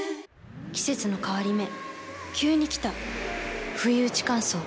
季節の変わり目急に来たふいうち乾燥。